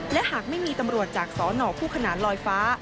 และหากไม่มีตำรวจจากสนคู่ขนานลอยฟ้า